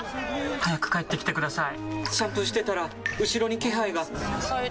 早く帰ってきてください！